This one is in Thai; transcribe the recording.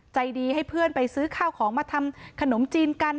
ใจดีให้เพื่อนไปซื้อข้าวของมาทำขนมจีนกัน